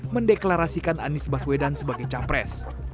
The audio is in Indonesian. mendeklarasikan anies baswedan sebagai capres